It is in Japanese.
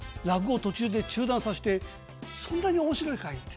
「落語を途中で中断させてそんなに面白いかい？」